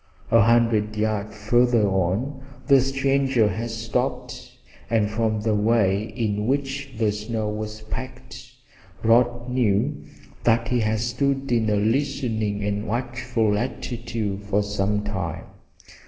A hundred yards farther on the stranger had stopped, and from the way in which the snow was packed Rod knew that he had stood in a listening and watchful attitude for some time.